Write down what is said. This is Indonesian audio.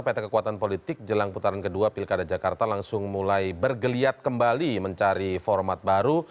peta kekuatan politik jelang putaran kedua pilkada jakarta langsung mulai bergeliat kembali mencari format baru